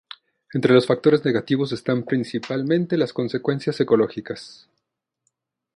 Entre los factores negativos están principalmente las consecuencias ecológicas.